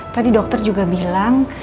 tadi dokter juga bilang